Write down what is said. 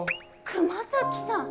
熊咲さん！